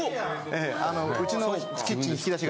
ええうちのキッチン引き出し